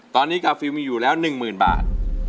ตอนนี้กาฟิลมีอยู่แล้วหนึ่งหมื่นบาท